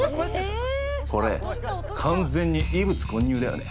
これ、完全に異物混入だよね。